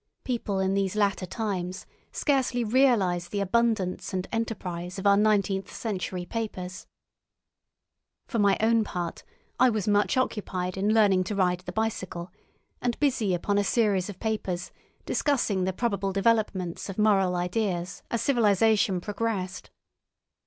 People in these latter times scarcely realise the abundance and enterprise of our nineteenth century papers. For my own part, I was much occupied in learning to ride the bicycle, and busy upon a series of papers discussing the probable developments of moral ideas as civilisation progressed.